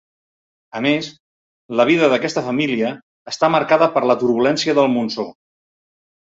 A més, la vida d'aquesta família està marcada per la turbulència del monsó.